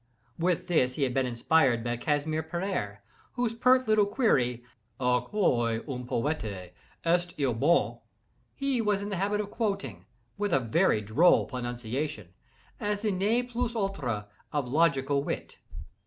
With this he had been inspired by Casimir Perier, whose pert little query "A quoi un poete est il bon?" he was in the habit of quoting, with a very droll pronunciation, as the ne plus ultra of logical wit.